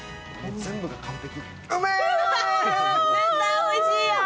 全部が完璧。